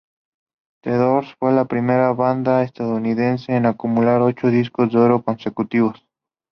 The Doors fue la primera banda estadounidense en acumular ocho discos de oro consecutivos.